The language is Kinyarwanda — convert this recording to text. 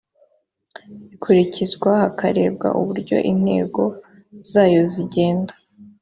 ikurikizwa hakarebwa uburyo intego zayo zigenda